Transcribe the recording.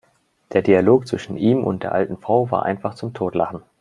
Der Dialog zwischen ihm und der alten Frau war einfach zum Totlachen!